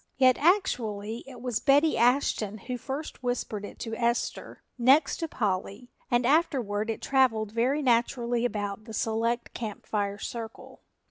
Yet actually it was Betty Ashton who first whispered it to Esther, next to Polly, and afterward it traveled very naturally about the select Camp Fire circle.